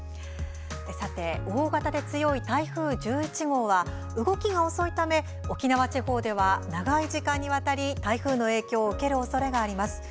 大型で強い台風１１号は動きが遅いため沖縄地方では長い時間にわたり台風の影響を受けるおそれがあります。